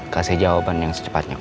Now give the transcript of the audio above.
kasih jawaban yang secepatnya